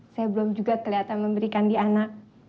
saya belum juga kelihatan memberikan di anak